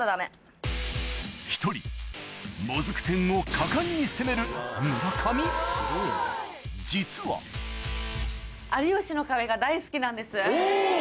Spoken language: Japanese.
１人もずく天を果敢に攻める村上実はおぉ！